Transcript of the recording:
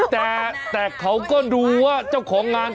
คือแขกไม่ได้รับเชิญ